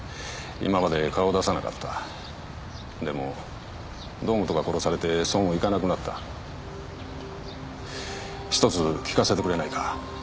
今まで顔を出さなかったでも堂本が殺されてそうもいかなくなった１つ聞かせてくれないか？